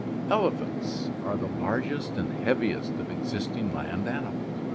"Elephants are the largest and heaviest of existing land animals.